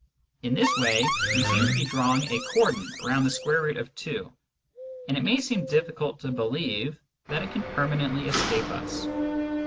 In this way we seem to be drawing a cordon round the square root of 2, and it may seem difficult to believe that it can permanently escape us.